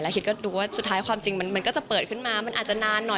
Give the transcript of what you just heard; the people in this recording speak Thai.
คิดก็ดูว่าสุดท้ายความจริงมันก็จะเปิดขึ้นมามันอาจจะนานหน่อย